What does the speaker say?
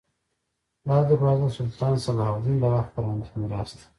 دا دروازه د سلطان صلاح الدین د وخت فرهنګي میراث دی.